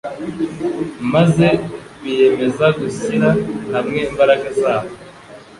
maze biyemeza gushyira hamwe imbaraga zabo